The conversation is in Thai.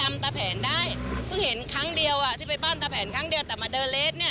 ตาแผนได้เพิ่งเห็นครั้งเดียวอ่ะที่ไปปั้นตาแผนครั้งเดียวแต่มาเดินเลสเนี่ย